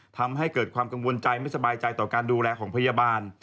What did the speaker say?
ทำให้เกิดความกังวลใจไม่สบายใจต่อการดูแลของพยาบาล